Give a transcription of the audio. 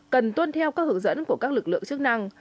cần tuân theo các hướng dẫn của các lực lượng chức năng